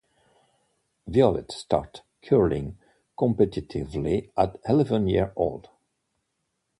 Violette started curling competitively at eleven years old.